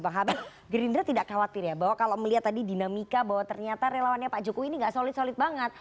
bang habib gerindra tidak khawatir ya bahwa kalau melihat tadi dinamika bahwa ternyata relawannya pak jokowi ini gak solid solid banget